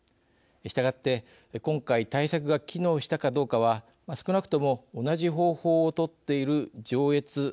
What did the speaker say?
したがって今回対策が機能したかどうかは少なくとも同じ方法を取っている上越北陸